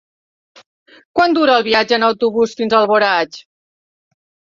Quant dura el viatge en autobús fins a Alboraig?